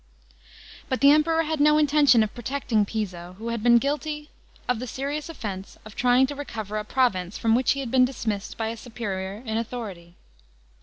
§ 14. But the Emperor had no intention of protecting Piso, who had been guilty of the serious offence of trying to recover a province from which be had been dismissed by a superior in authority.